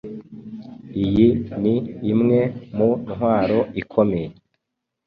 Iyi ni imwe mu ntwaro ikomeye